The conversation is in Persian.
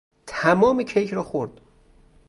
تمام کیک را خورد.